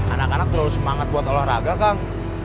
anak anak terlalu semangat buat olahraga kang